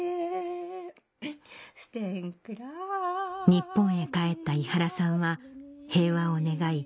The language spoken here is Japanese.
日本へ帰った伊原さんは平和を願い